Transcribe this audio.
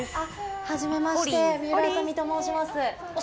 はじめまして水卜麻美と申します。